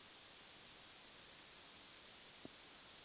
ټول اوسنی افغانستان پکې شامل و.